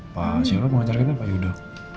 pak syirul pengacara kita pak yudha